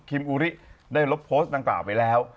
อุริได้ลบโพสต์ดังกล่าวไปแล้ว